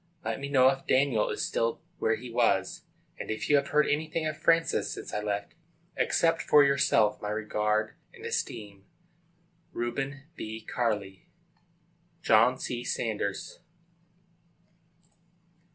Let me know if Daniel is still where he was, and if you have heard anything of Francis since I left you. Accept for yourself my regard and esteem. REUBEN B. CARLLEY. JOHN C. SAUNDERS.